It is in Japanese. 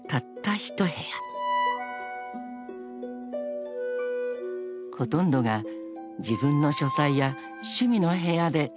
［ほとんどが自分の書斎や趣味の部屋で占められていた］